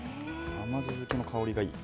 甘酢漬けの香りがいい。